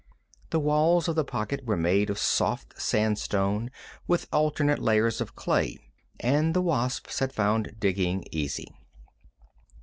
The walls of the pocket were made of soft sandstone with alternate layers of clay, and the wasps had found digging easy.